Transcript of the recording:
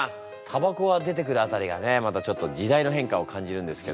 たばこが出てくる辺りがねまたちょっと時代の変化を感じるんですけど。